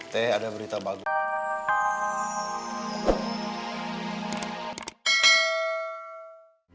teh ada berita bagus